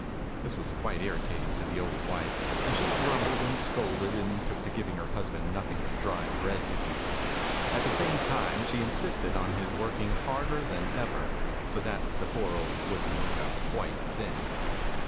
This was quite irritating to the old wife, 102 Fairy Tale Bears and she grumbled and scolded, and took to giving her husband nothing but dry bread to eat. At the same time she insisted on his working harder than ever, so that the poor old woodman got quite thin.